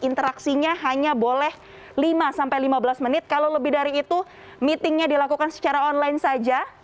interaksinya hanya boleh lima sampai lima belas menit kalau lebih dari itu meetingnya dilakukan secara online saja